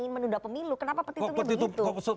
ingin menunda pemilu kenapa petitumnya begitu